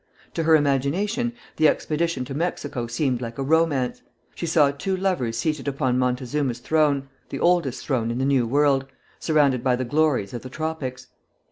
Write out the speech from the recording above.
To her imagination, the expedition to Mexico seemed like a romance. She saw two lovers seated upon Montezuma's throne, the oldest throne in the New World, surrounded by the glories of the tropics.